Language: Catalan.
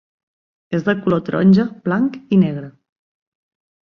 És de color taronja, blanc i negre.